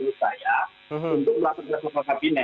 untuk melakukan desain global kabinet